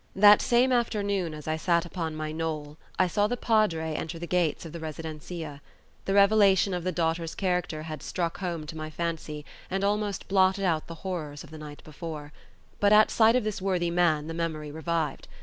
That same afternoon, as I sat upon my knoll, I saw the Padre enter the gates of the residencia. The revelation of the daughter's character had struck home to my fancy, and almost blotted out the horrors of the night before; but at sight of this worthy man the memory revived.